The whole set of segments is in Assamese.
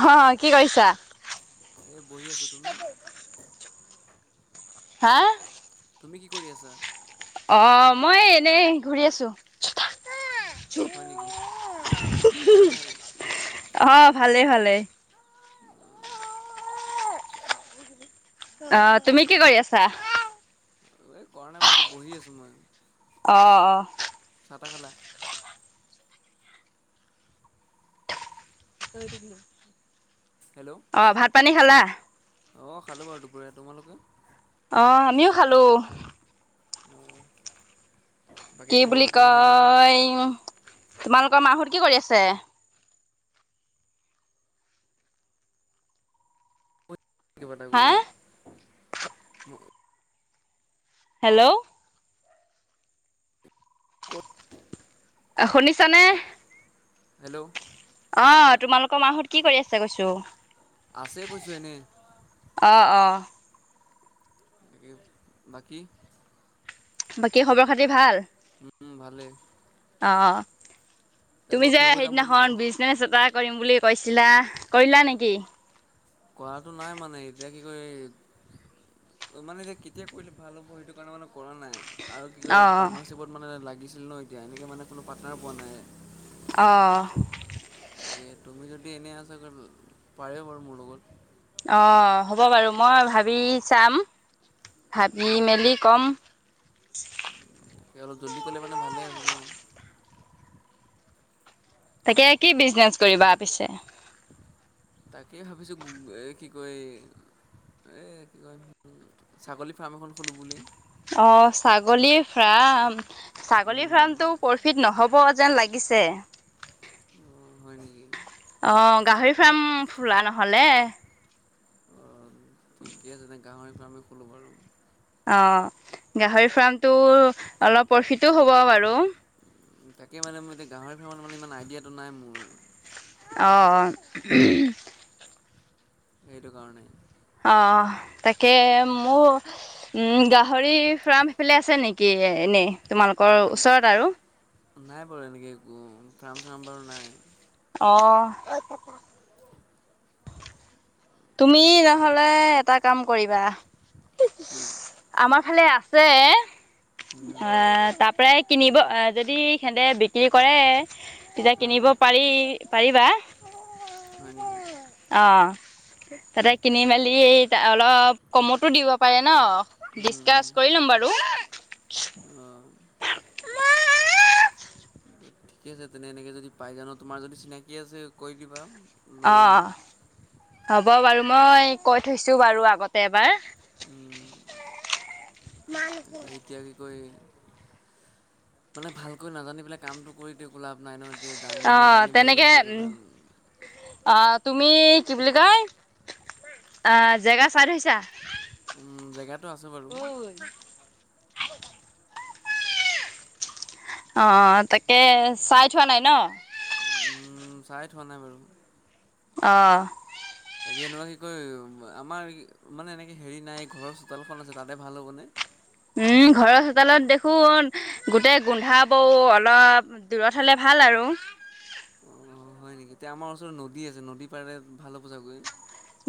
অ', কি কৰিছা? এ বহি আছোঁ, তুমি? হা? তুমি কি কৰি আছা? অ', মই এনেই ঘূৰি আছোঁ। হয় নেকি, বাকী খবৰ খাতি ভালেই? অ', ভালে, ভালে। অ, অ', তুমি কি কৰি আছা? এই কৰা নাই বাৰু আকৌ বহি আছোঁ মই। অ', অ'। চাহ তাহ খালা? অ', ভাত পানী খালা? অ', খালোঁ বাৰু দুপৰীয়া, তোমালোকে? অ', আমিও খালোঁ। অ'। কি বুলি কয় তোমালোকৰ মাহঁত কি কৰি আছে? কিবা এটা হা কৰি হেল্ল'। ক'ত? আ শুনিছা নে? হেল্লৌ' অঁ' তোমালোকৰ মাঁ হত কি কৰি আছে কৈছো? আছে কৈছো এনেই। অঁ অঁ' তাকে বাকী, - বাকী খবৰ খাতি ভাল? উম' ভালেই। অঁ তাই তুমি ক'ৰবাত যে ফুৰিব যাম বুলি সেইদিনাখন বিজ- বিজনেছ এটা কৰিম বুলি কৈছিলা, কৰিলা নেকি? কৰাটো নাই মানে, এতিয়া কি কৰি- মানে এতিয়া কেতিয়া কৰিলে ভাল হ'ব? সেইটো কাৰণে মানে কৰা নাই। আৰু কি কয় অ পাৰ্টনাৰশ্বিপত মানে লাগিছিল ন এতিয়া এনেকে মানে কোনো পাৰ্টনাৰ পোৱা নাই। অঁ' গতিকে, তুমি যদি এনেই আছা পাৰে বাৰু মোৰ লগত। অঁ হ'ব বাৰু মই ভাবি চাম, ভাবি মেলি ক'ম। সে অলপ জল্দি কৰিলে মানে ভালে আছিল ন। তাকে কি বিজনেচ কৰিবা পিছে? [inaudible] তাকেই ভাবিছোঁ কি কয় এ এ কি কয়- ছাগলী ফাৰ্ম এখন খোলোঁ বুলি। অঁ' ছাগলী ফাৰ্ম ছাগলী ফাৰ্মটো- প্ৰফিট নহ'ব যেন লাগিছে। অঁ হয় নেকি? অঁ' গাহৰি ফাৰ্ম খোলা নহ'লে। অঁ ঠিকে আছে তেন্তে গাহৰি ফাৰ্মেই খোলোঁ বাৰু। অঁ' গাহৰি ফাৰ্মটো অলপ প্ৰফিটো হ'ব বাৰু। তাকে মানে মোৰ এতিয়া গাহৰি ফাৰ্মত মানে ইমান আইডিয়াটো নাই মোৰ। অ' অ' সেইটো কাৰণে। অঁ তাকে মোৰ- উম' গাহৰি ফাৰ্ম সেইফালে আছে নেকি এনেই তোমালোকৰ ওচৰত আৰু? নাই বাৰু এনেকে একো ফাৰ্ম চাৰ্ম বাৰু নাই। অঁ' [inaudible] তুমি তাকে নহ'লে এটা কাম কৰিবা। কি আমাৰ ফালে আছে, আ তা পাই কিনিব আ যদি হেঁতে- বিক্ৰী কৰে, তেতিয়া অঁ কিনিব পাৰি পাৰিবা। হয় নেকি অঁ' তাতে কিনি মেলি অলপ কমতো দিব পাৰে ন। ডিচকাচ কৰি লম বাৰু। অঁ' [unintelligible] ঠিকে আছে তেনে এনেকে যদি পাই যাওঁ ন তোমাৰ যদি চিনাকি আছে কৰি দিবা। লৈ অঁ আনিম অঁ হ'ব বাৰু মই কৈ থৈছো বাৰু আগতে এবাৰ। উম তাকে এতিয়া কৈ মানে ভালকৈ নাজানি পেলাই কামটো কৰিটো একো লাভ নাই নহয়। গতিকে জানিলে অঁ জানি বুজি অলপ কৰিলে ভাল। আ তুমি কি বুলি কয় আ জেগা চাই থৈছা? উম জেগাটো আছে বাৰু। অ তাকে, চাই থোৱা নাই ন'? উ উম, চাই থোৱা নাই বাৰু। অ। তাকে এনেকুৱা কি কয় আমাৰ মানে এনেকে হেৰি নাই ঘৰৰ চোতালখন আছে তাতে ভাল হ'বনে? উম ঘৰৰ চোতালত দেখোন গোটেই গোন্ধাবও অলপ দূৰত হ'লে ভাল আৰু। অ হয় নেকি? তেতিয়া আমাৰ ওচৰত নদী আছে, নদী পাৰেত ভাল হ'ব চাগৈ?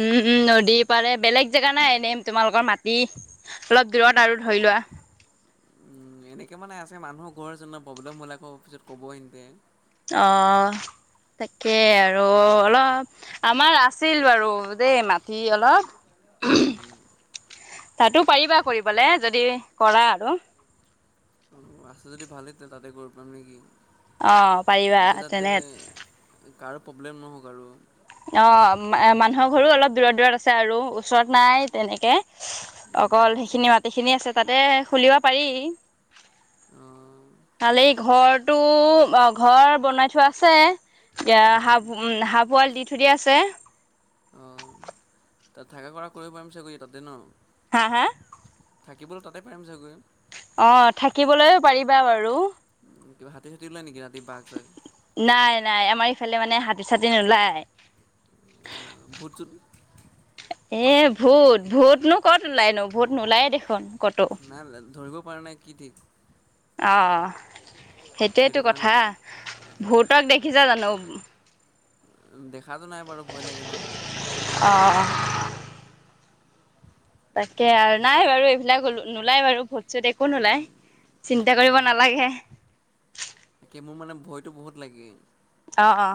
উম উম নদী পাৰে বেলেগ জেগা নাই এনেই তোমালোকৰ মাটি? অলপ দূৰত আৰু ধৰি লোৱা। উম এনেকে মানে আছে মানুহৰ ঘৰ আছে ন' প্ৰব্লেম হলে আকৌ পিছত ক'বই এনেই। অ তাকে আৰু অলপ আমাৰ আছ ছিল বাৰু দেই মাটি অলপ উহুম। উম, তাতো পাৰিবা কৰিবলৈ যদি কৰা আৰু। অঁ আছে যদি ভালেই তেতিয়া তাতে কৰি পাম নেকি? অ পাৰিবা এতিয়া তাতে তেনে কাৰো প্ৰব্লেম নহওক আৰু। অ মা মানুহৰ ঘৰো অলপ দূৰত দূৰত আছে আৰু ওচৰত নাই তেনেকে। অকল সেইখিনি মাটিখিনি আছে তাতে খুলিব পাৰি। অ। খালি ঘৰটো, অ ঘৰ বনাই থোৱা আছে। এতিয়া অঁ হাঁহ উম হাঁহ পোৱালী দি থৈ দিয়া আছে। অঁ তাত থাকা কৰা কৰিব পাৰিম চাগৈ তাতে ন? হা হা? থাকিবলৈ তাতে পাৰিম চাগৈ? অ থাকিবলৈ পাৰিবা বাৰু। উম কিবা হাতী - চাতি ওলায় নেকি ৰাতি বাঘ চাঘ? নাই নাই, আমাৰ ইফালে মানে হাতী -চাতী নোলায়। অ ভুত - চুত? এ ভূত, ভূতনো কত ওলাই নো ভূত নোলায় দেখোন কতো। না লা, ধৰিব পৰা নাই কি ঠিক। অঁ সেইটোৱেইটো সেইটো কাৰণে কথা, ভূতক দেখিছে জানো? দেখাতো নাই বাৰু ভয় লাগে ন। অহ তাকে আৰু নাই বাৰু এইবিলাকল নোলাই বাৰু ভুত। পিছত একো নোলাই, চিন্তা কৰিব নালাগে। কি মোৰ মানে ভয়টো বহুত লাগে। অ অ।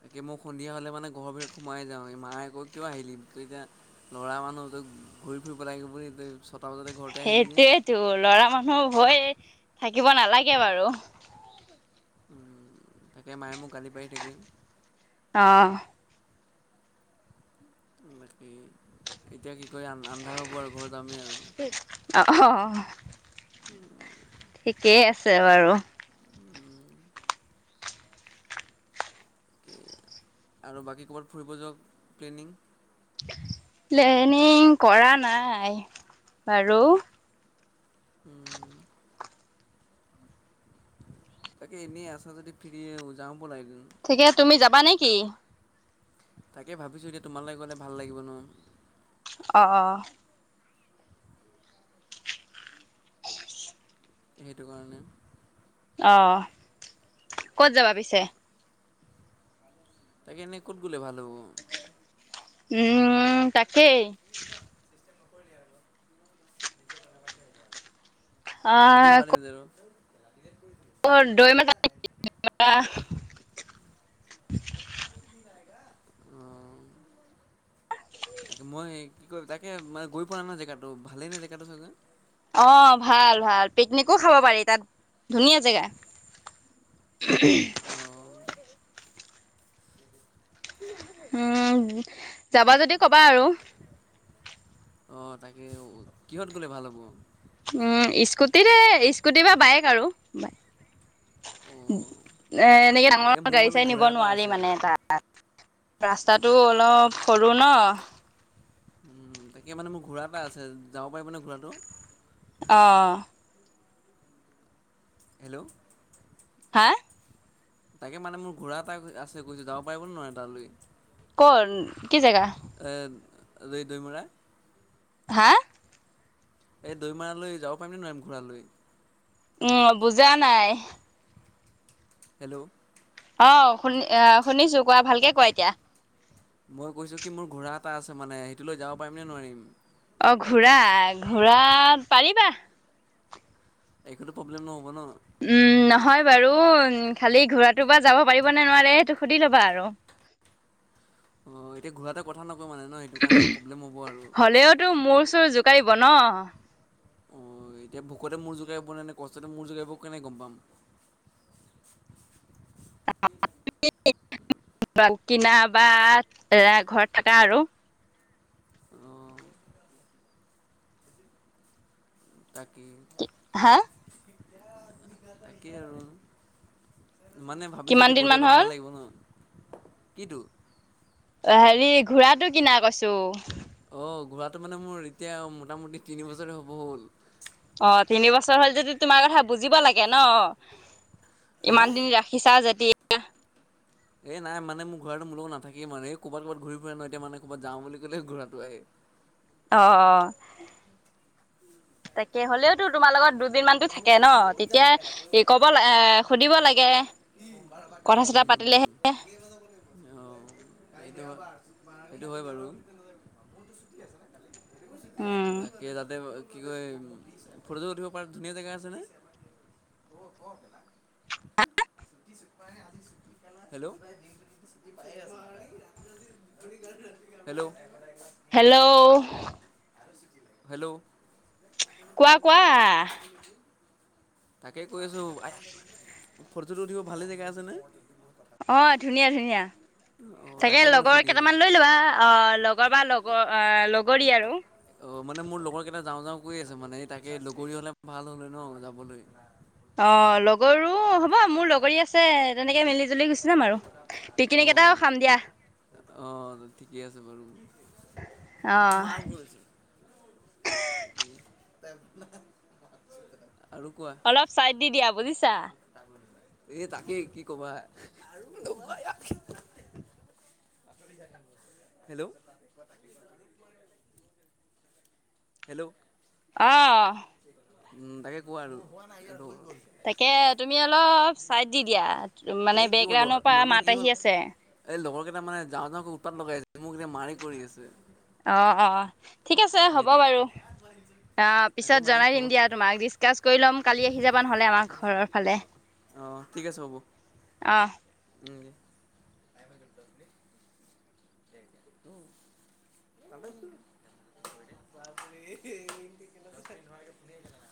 তাকে মই সন্ধিয়া হ'লে মানে ঘৰৰ ভিতৰত সোমাই যাওঁ এই মায়ে কয় কিয় আহিলিম ত এতিয়া লৰা মানুহ, ত ঘূৰি ফুৰিব লাগিব বুলি তই চ সেইটোয়েতো লৰা মানুহ ভয় থাকিব নালাগে বাৰু তাকে মায়ে মোক গালি পাৰি থাকে অ বাকী এতিয়া কি কয় আন্ধাৰ হ'ব আৰু ঘৰত যামেই আৰু অ অহ উম ঠিকেই আছে বাৰু অকে আৰু বাকী ক'ৰবাত ফুৰিব যোৱা প্লেনিং পিলেনিং কৰা নাই বাৰু উম তাকে এনেই আছা যদি ফিৰি যাও বলা এদিন ঠিকে তুমি যাবা নেকি? তাকে ভাবিছোঁ এতিয়া তোমালে গ'লে ভাল লাগিব নহয় অ সেইটো কাৰণে অ ক'ত যাবা পিছে? তাকে এনেই ক'ত গ'লে ভাল হ'ব উম তাকেই [unintelligible] পাতিম অ', পাতিম যে ৰ [unintelligible] [unintelligible] অ তাকে মই কি কয় তাকে মানে গৈ পোৱা নহয় জেগাটো ভালেই নে জেগাটো চাগে? অঁ ভাল ভাল পিকনিকো খাব পাৰি তাত ধুনীয়া জেগা [unintelligible] অঁ উম যাবা যদি কবা আৰু অ তাকে কিহত গলে ভাল হ'ব? উম স্কুটিৰে স্কুটি বা বাইক আৰু অঁ এ এনেকে এই ডাঙৰ মোৰ গাড়ী মানে চাৰি নিব ঘোঁৰা এটা নোৱাৰি আছে মানে তাত ৰাস্তাটো অলপ সৰু ন উম তাকে মানে মোৰ ঘোঁৰা এটা আছে যাব পাৰিবনে ঘোঁৰাটো? অঁ হেল্ল' হা তাকে মানে মোৰ ঘোঁৰা এটা আছে কৈছো যাব পাৰিব নোৱাৰে তালৈ কৰ কি জেগা? এ দৈ দৈমৰা হা এই দৈমাৰালৈ যাব পাৰিমনে নোৱাৰিম ঘোঁৰা লৈ উম বুজা নাই হেল্ল' অ শুনি আহ শুনিছো কোৱা ভালকে কোৱা এতিয়া মই কৈছো কি মোৰ ঘোঁৰা এটা আছে মানে সেইটো লৈ যাব পাৰিম নে নোৱাৰিম? অঁ, ঘোঁৰা, ঘোঁৰা পাৰিবা। একোতো প্ৰব্লেম নহ'ব ন! উম, নহয় বাৰু, ঘোঁৰাটো বা যাব পাৰিবনে নোৱাৰে সেইটো সুধি ল'বা আৰু। অ, এতিয়া ঘোঁৰাটোৱে কথা নকওঁ মানে ন এতিয়া। হ'লেওতো মূৰ-চুৰ জোকাৰিব ন! অ, এতিয়া ভোকতে মূৰ জোকাৰিব নে, কষ্টতে মূৰ জোকাৰিব, কেনে গম পাম? [unintelligible] কিনা বা ঘৰত থাকা আৰু। অ। তাকেই, হা তাকেই আৰু। মানে ভাবিছো কিমান এতিয়া দিন গ'লে মান অলপ ভাল হ'ল লাগিব ন। [unintelligible] অ, হেৰি ঘোঁৰাটো কিনা কৈছোঁ? অঁ, ঘোঁৰাটো মানে মোৰ এতিয়া মোটা-মুটি তিনি বছৰে হ'ব হ'ল। অ, তিনি বছৰ হ যদি, তোমাৰ কথা বুজিব লাগে ন, হা ইমান দিন ৰাখ ৰাখিছা যেদি। এই নাই মানে ঘোঁৰাটো মোৰ লগত নাথাকেই, ক'ৰবাত-ক'ৰবাত ঘূৰি ফুৰে ন, এতিয়া মানে ক'ৰবাত বুলি ক'লে ঘোঁৰাটো আহে। অ, তাকে, হ'লেওতো তোমাৰ লগত দু দিনমানটো মোৰ থাকে ন, বহুত তেতিয়া জানো খেলা তই খেলা ক'ব চাফা লা এ কৰি সুধিব লাগে। [unintelligible] অ, কথা চথা পাতিলেহে সেইটো হয় বাৰু। ছুটি আছে নে উম কালি? বাকী, তাতে কি কয়, ফটো-ছটো উঠিব পাৰা ধুনীয়া জেগা আছেনে! [unintelligible] হেল্ল'! হেল্ল'! হেল্ল'! [unintelligible] হেল্ল'! কোৱা, কোৱা? তাকে কৈ আছো, ফটো-ছটো উঠিব ভালে জেগা আছে নে? অ, ধুনীয়া-ধুনীয়া। অ' তাকে মানে লগৰ সুধি আছোঁ। কেইটামান লৈ লোৱা, অ, লগ লগৰ বা লগৰ লগৰী আৰু। অ, মানে মোৰ লগৰ কেইটা যাওঁ-যাও কৈ আছে, মানে তাকে, লগৰী হ'লে ভাল হ'লে ন যাবলৈ। অ, লগৰো হ'ব, মোৰ লগৰী আছে, তেনেকে মিলি-জুলি গুচি যাম আৰু। পিকনিক এটাও অ' খাম দিয়া। অ, ঠিকে আছে বাৰু। অ কৰিছে। আৰু কোৱা? অলপ চাইট দি দিয়া বুজিছা! এ, তাকে কি কবা? [unintelligible] হেল্ল'! হেল্ল'! অ। উম, বাকী কোৱা আৰু? তাকে, তুমি অলপ চাইড দি দিয়া, মানে এই কি হ'ল বেকগ্ৰাউণ্ডৰ পৰা মানে কি মাত হ'ল আহি আছে। এই লগৰ কেইটা মানে যাওঁ-যাওঁকৈ উটপাত লগাই আছে। মোক এতিয়া মাৰি কৰি আছে। অ, অ, ঠিক আছে, হ'ব সেইটো বাৰু! অ, তাকে পিছত মানে জনাই হ'ব দিম দিয়া তোমাক, ডিচকাচ কৰি ল'ম, কালি আহি যাবা নহ'লে আমাৰ ঘৰৰ ফালে। অ ঠিক আছে হ'ব। অঁ দনদি। কেক দিলোঁ। বাবৰে।